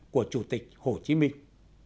của chủ tịch hồ chí minh